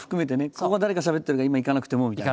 ここは誰かしゃべってるから今いかなくてもみたいな。